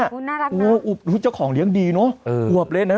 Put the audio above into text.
น่ารักน่ะโอ้โหเจ้าของเลี้ยงดีเนอะเอออวบเล่นนะ